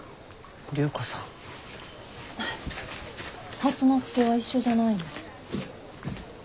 初之助は一緒じゃないの？